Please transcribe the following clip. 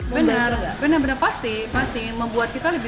benar benar pasti pasti membuat kita lebih